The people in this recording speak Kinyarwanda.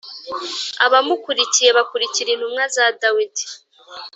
abamukurikiye bakurikira intumwa za Dawidi